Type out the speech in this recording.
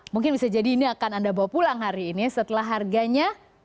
mungkin bisa jadi ini akan anda bawa pulang hari ini setelah harganya